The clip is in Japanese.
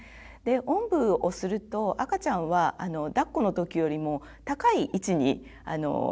おんぶをすると赤ちゃんはだっこの時よりも高い位置に顔がきます。